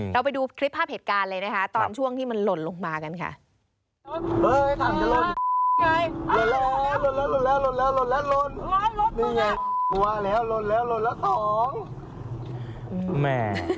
ไปดูคลิปภาพเหตุการณ์เลยนะคะตอนช่วงที่มันหล่นลงมากันค่ะ